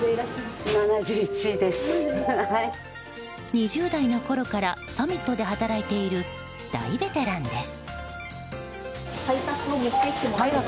２０代のころからサミットで働いている大ベテランです。